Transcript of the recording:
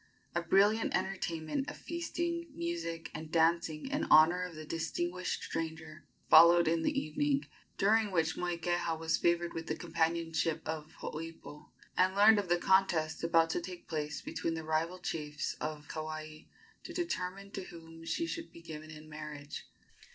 A brilliant entertainment of feasting, music and dancing in honor of the distinguished stranger followed in the evening, during which Moikeha was favored with the companionship of Hooipo, and learned of the contest about to take place between the rival chiefs of Kauai to determine to whom she should be given in marriage.